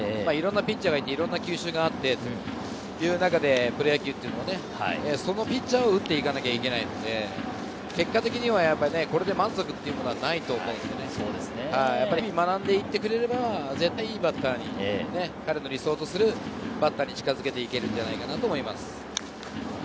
いろんなピッチャーがいて、いろんな球種があってという中で、そのプロ野球のピッチャーを打っていかないといけないので、結果的にはこれで満足というのがないと思うので、日々学んでいってくれれば絶対にいいバッターに彼の理想とするバッターに近づけていけるんじゃないかなと思います。